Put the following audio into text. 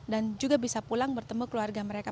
dan juga bisa pulang bertemu keluarga mereka